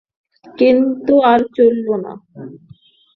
কিন্তু আর চলল না।